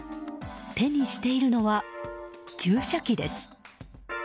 手にしているのは注射器です。